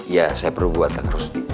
iya saya perlu buatkan harus